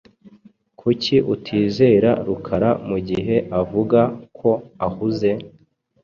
Kuki utizera Rukara mugihe avuga ko ahuze?